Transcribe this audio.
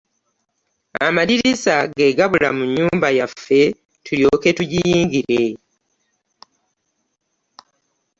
Amadirisa ge gabula mu nnyumba yaffe tulyoke tugiyingire.